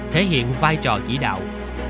thể hiện vai trò chỉ đạo